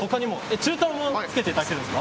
中トロも付けていただけるんですか。